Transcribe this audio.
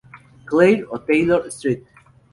Clair o Taylor St.